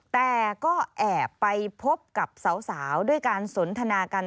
แต่ก็แอบไปพบกับสาวด้วยการสนทนากัน